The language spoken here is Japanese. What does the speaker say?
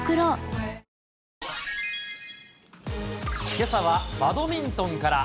けさはバドミントンから。